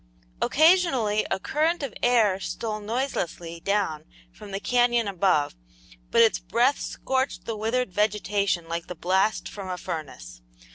Occasionally a current of air stole noiselessly down from the canyon above, but its breath scorched the withered vegetation like the blast from a furnace.